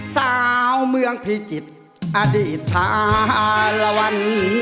สาวเมืองพิจิตรอดีตชาลวัน